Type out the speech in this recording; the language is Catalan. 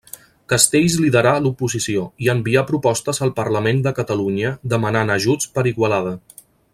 Castells liderà l'oposició, i envià propostes al Parlament de Catalunya demanant ajuts per Igualada.